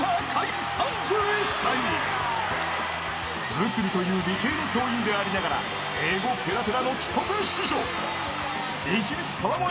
［物理という理系の教員でありながら英語ペラペラの帰国子女］